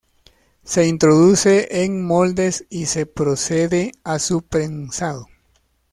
Se introduce en moldes y se procede a su prensado.